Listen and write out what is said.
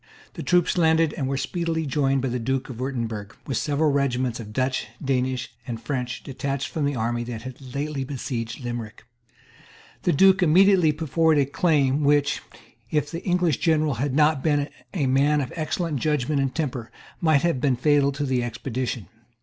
The troops landed, and were speedily joined by the Duke of Wirtemberg, with several regiments, Dutch, Danish, and French, detached from the army which had lately besieged Limerick. The Duke immediately put forward a claim which, if the English general had not been a man of excellent judgment and temper, might have been fatal to the expedition.